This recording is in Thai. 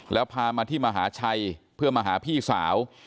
แล้วพามาที่มหาชัยเพื่อมาหาพี่สาว